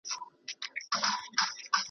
زورور غل په خپل کلي کي غلا نه کوي .